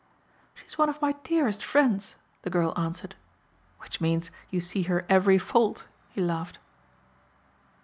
"She is one of my dearest friends," the girl answered. "Which means you see her every fault," he laughed.